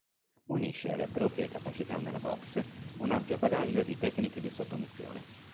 Unisce alle proprie capacità nella boxe un ampio bagaglio di tecniche di sottomissione.